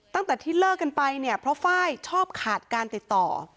ตั้งแต่ที่เลิกกันไปเนี่ยเพราะไฟล์ชอบขาดการติดต่อ